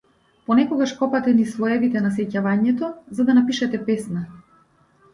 Понекогаш копате низ слоевите на сеќавањето за да напишете песна.